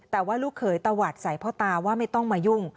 แต่ว่าลูกเขยตวัดใส่พ่อตาว่าไม่ต้องมายุ่ง